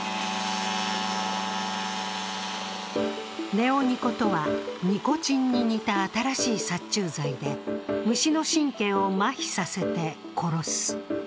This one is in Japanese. ネオニコとは、ニコチンに似た新しい殺虫剤で、虫の神経をまひさせて殺す。